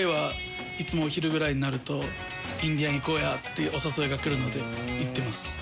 いつもお昼ぐらいになるとインデアン行こうや」ってお誘いが来るので行ってます。